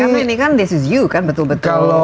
karena ini kan this is you kan betul betul